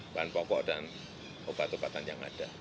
bahan pokok dan obat obatan yang ada